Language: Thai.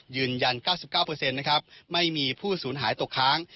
ยืนยัน๙๙นะครับไม่มีผู้สูญหายตกค้าง